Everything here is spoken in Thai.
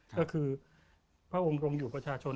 ก็คือพระองค์ทรงอยู่ประชาชน